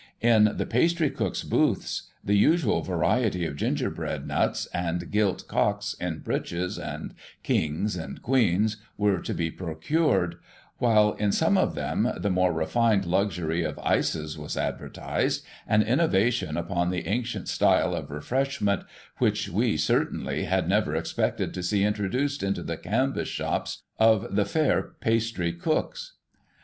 In the pastry cooks' booths, the usual variety of gingerbread nuts, and gilt cocks in breeches, and kings and queens, were to be procured; while, in some of them, the more refined luxury of ices was advertised, an innovation upon the ancient style of refreshment which we, certainly, had never expected to see introduced into the canvas shops of the fair pastry cooks.